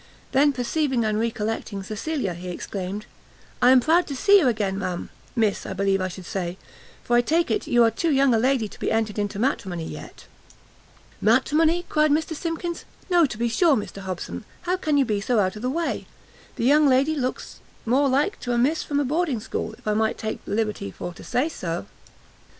Then perceiving and recollecting Cecilia, he exclaimed "I am proud to see you again, ma'am, Miss, I believe I should say, for I take it you are too young a lady to be entered into matrimony yet." "Matrimony?" cried Mr Simkins, "no, to be sure, Mr Hobson, how can you be so out of the way? the young lady looks more like to a Miss from a boarding school, if I might take the liberty for to say so."